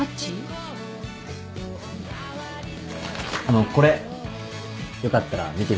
あのこれよかったら見てみてください。